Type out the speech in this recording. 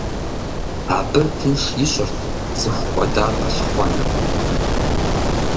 Абы тынш ищӏырт цӏыху кӏуэдар къэлъыхъуэныр.